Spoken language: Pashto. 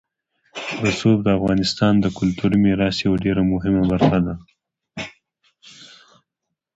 رسوب د افغانستان د کلتوري میراث یوه ډېره مهمه برخه ده.